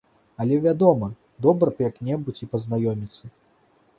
Але, вядома, добра б як-небудзь і пазнаёміцца.